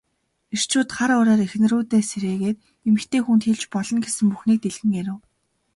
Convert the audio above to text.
Эрчүүд хар үүрээр эхнэрүүдээ сэрээгээд эмэгтэй хүнд хэлж болно гэсэн бүхнээ дэлгэн ярив.